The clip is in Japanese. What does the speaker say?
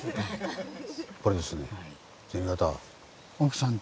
これですね。